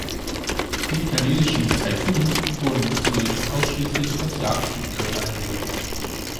Die italienischen "Typhoon" wurden zunächst ausschließlich als Jagdflugzeuge eingesetzt.